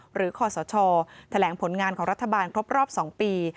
หรือคศแถลงผลงานของรัฐบาลครบ๒ปี